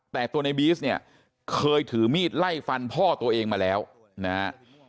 แต่ตัวในบีซเนี่ยเคยถือมีดไล่ฟันพ่อตัวเองมาแล้วนะฮะ